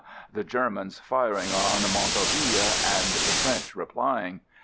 — the Germans firing on Montauville and the French re plying.